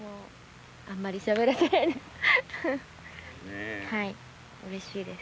あんまりしゃべらせないで。